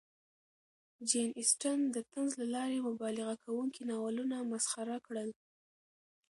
جین اسټن د طنز له لارې مبالغه کوونکي ناولونه مسخره کړل.